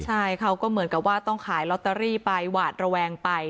ใช่เขาก็เหมือนกับว่าต้องขายลอตเตอรี่ไปหวาดระแวงไป